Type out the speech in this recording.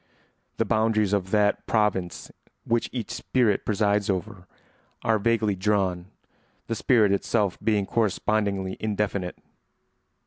The boundaries of that province which each spirit presides over are vaguely drawn, the spirit itself being correspondingly indefinite.